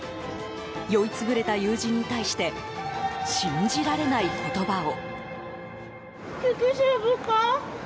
酔い潰れた友人に対して信じられない言葉を。